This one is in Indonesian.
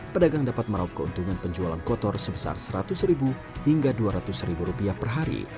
pedagang dapat meraup keuntungan penjualan kotor sebesar seratus ribu hingga dua ratus ribu rupiah per hari